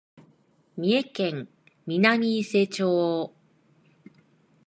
三重県南伊勢町